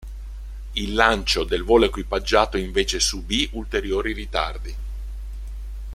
Il lancio del volo equipaggiato invece subì ulteriori ritardi.